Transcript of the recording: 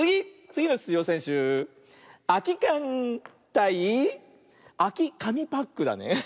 つぎのしゅつじょうせんしゅあきかんたいあきかみパックだね。